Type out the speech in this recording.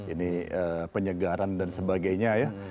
ini penyegaran dan sebagainya ya